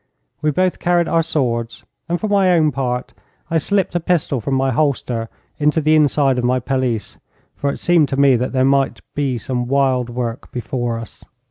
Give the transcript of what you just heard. We both carried our swords, and for my own part I slipped a pistol from my holster into the inside of my pelisse, for it seemed to me that there might be some wild work before us.